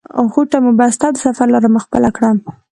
غوټه مو بسته او د سفر لاره مو خپله کړه.